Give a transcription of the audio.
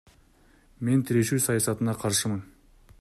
Мен тирешүү саясатына каршымын.